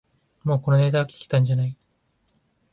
もうこのネタ飽きてきたんじゃない